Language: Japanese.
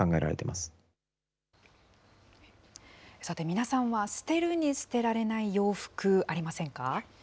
さて、皆さんは捨てるに捨てられない洋服、ありませんか。